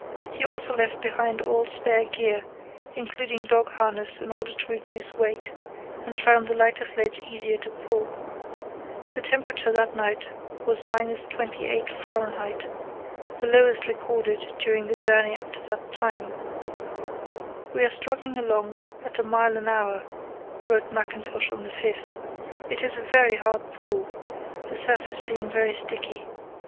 He also left behind all spare gear, including dog harness in order to reduce weight, and found the lighter sledge easier to pull. The temperature that night was –28° Fahr., the lowest recorded during the journey up to that time. "We are struggling along at a mile an hour," wrote Mackintosh on the 5th. "It is a very hard pull, the surface being very sticky.